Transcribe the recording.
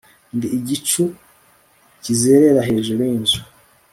ndi igicu kizerera hejuru y'inzu